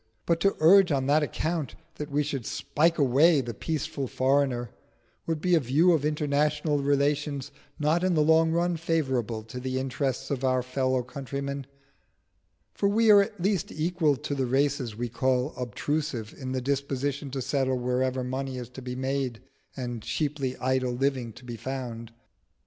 But to urge on that account that we should spike away the peaceful foreigner, would be a view of international relations not in the long run favourable to the interests of our fellow countrymen; for we are at least equal to the races we call obtrusive in the disposition to settle wherever money is to be made and cheaply idle living to be found.